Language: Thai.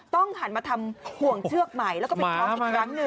หันมาทำห่วงเชือกใหม่แล้วก็ไปคล้องอีกครั้งหนึ่ง